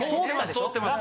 ・通ってます・